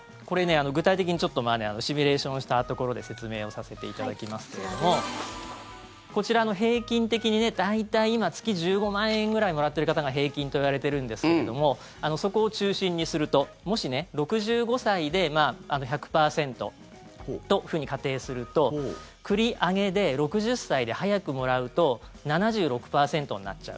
具体的にシミュレーションしたところで説明をさせていただきますけれどこちらの、平均的に大体今、月１５万円ぐらいもらっている方が平均といわれているんですけれどもそこを中心にするともし、６５歳で１００％というふうに仮定すると繰り上げで６０歳で早くもらうと７６％になっちゃう。